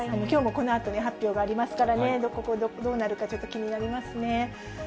きょうもこのあとに発表がありますからね、どうなるかちょっと気になりますね。